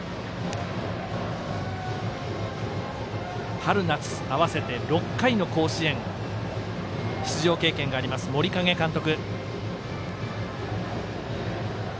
春夏合わせて６回の甲子園出場経験があります森影監督。